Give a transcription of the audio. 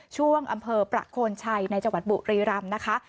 ช่วงอำเภอประโคนชัยในจังหวัดบุรีรำนะคะ